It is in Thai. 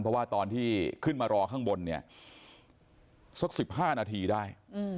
เพราะว่าตอนที่ขึ้นมารอข้างบนเนี่ยสัก๑๕นาทีได้